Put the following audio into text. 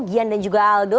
gyan dan juga aldo